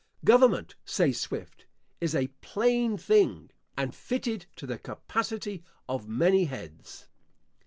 Government, says Swift, is a Plain thing, and fitted to the capacity of many heads.